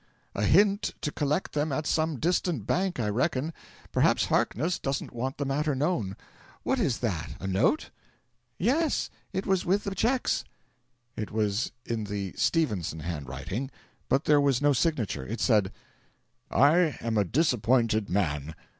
"A hint to collect them at some distant bank, I reckon. Perhaps Harkness doesn't want the matter known. What is that a note?" "Yes. It was with the cheques." It was in the "Stephenson" handwriting, but there was no signature. It said: "I am a disappointed man.